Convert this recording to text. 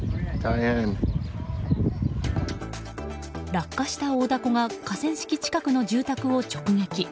落下した大だこが河川敷近くの住宅を直撃。